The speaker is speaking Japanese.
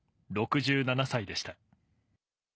６７歳でした。